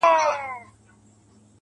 لــه مـا هـم لـيري دغــم توره بـلا وي